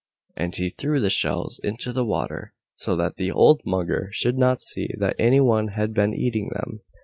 And he threw the shells into the water, so that the old Mugger should not see that any one had been eating them.